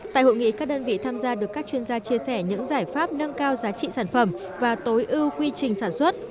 tại hội nghị các đơn vị tham gia được các chuyên gia chia sẻ những giải pháp nâng cao giá trị sản phẩm và tối ưu quy trình sản xuất